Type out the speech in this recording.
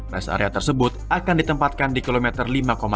res area tersebut akan ditempatkan di kilometer lima lima